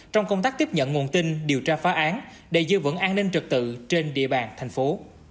trong công tác tiếp nhận nguồn tin điều tra phá án để giữ vững an ninh trực tự trên địa bàn thành phố